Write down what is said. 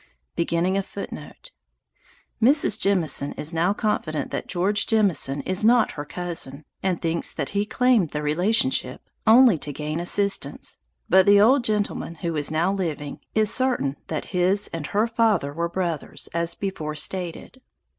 [Footnote: Mrs. Jemison is now confident that George Jemison is not her cousin, and thinks that he claimed the relationship, only to gain assistance: But the old gentleman, who is now living, is certain that his and her father were brothers, as before stated.